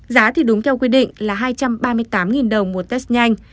giá thì đúng theo quy định là hai trăm ba mươi tám đồng một test nhanh